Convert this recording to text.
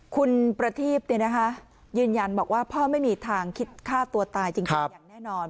คุณประทีพยืนยันบอกว่าพ่อไม่มีทางคิดฆ่าตัวตายจริงอย่างแน่นอน